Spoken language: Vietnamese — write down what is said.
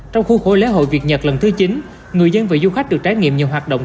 trong khuôn khổ lễ hội việt nhật lần thứ chín người dân và du khách được trải nghiệm nhiều hoạt động